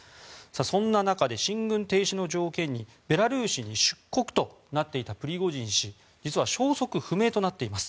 そんな中で進軍停止の条件にベラルーシに出国となっていたプリゴジン氏実は消息不明となっています。